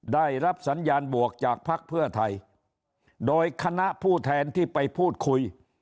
ได้รับสัญญาณบวกจากภักดิ์เพื่อไทยโดยคณะผู้แทนที่ไปพูดคุย